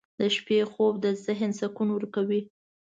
• د شپې خوب د ذهن سکون ورکوي.